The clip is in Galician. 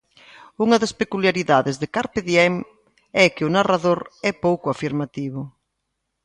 Unha das peculiaridades de 'Carpe Diem' é que o narrador é pouco afirmativo.